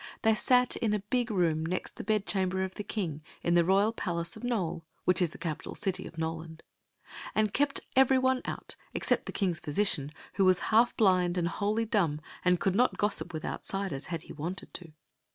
They sat in a big room next the bed chamber of the king, in the royal palace of Nole, — which is the capital city of Noland, — and kept every one out except the kings physician, who was half blind and whv i^y dumb and could not gossip with outsiders had he wanted to.